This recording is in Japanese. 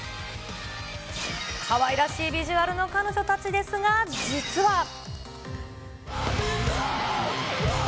かわいらしいビジュアルの彼女たちですが、実は。